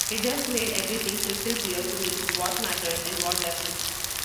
It just made everything crystal clear to me-what matters, and what doesn't.